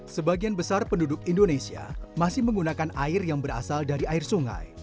sebagian besar penduduk indonesia masih menggunakan air yang berasal dari air sungai